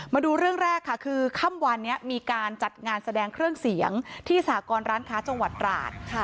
มาดูเรื่องแรกค่ะคือค่ำวันนี้มีการจัดงานแสดงเครื่องเสียงที่สหกรร้านค้าจังหวัดตราด